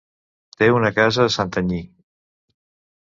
Té una casa a Santanyí.